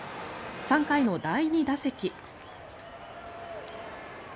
３回の第２打席。